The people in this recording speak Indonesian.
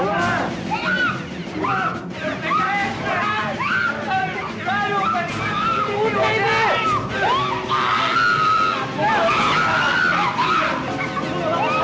rasanya ketika kamu selalu pernah mendarat sejak vasuri hujan